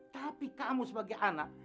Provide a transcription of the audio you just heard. tapi kamu sebagai anak